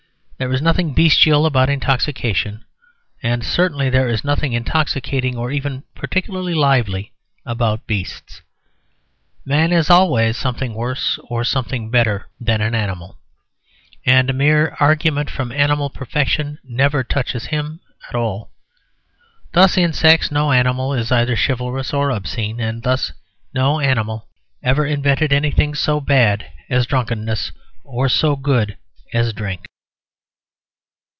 There is nothing bestial about intoxication; and certainly there is nothing intoxicating or even particularly lively about beasts. Man is always something worse or something better than an animal; and a mere argument from animal perfection never touches him at all. Thus, in sex no animal is either chivalrous or obscene. And thus no animal ever invented anything so bad as drunkenness or so good as drink.